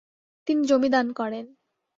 তিনি জমি দান করেন।